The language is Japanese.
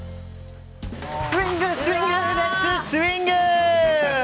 スイング・スイングレッツ・スインギング！